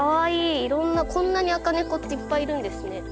いろんなこんなに赤猫っていっぱいいるんですね。